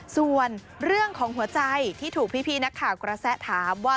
ส่วนเรื่องของหัวใจที่ถูกพี่นักข่าวกระแสถามว่า